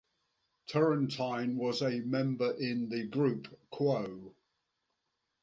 Turrentine was a member in the group Quo.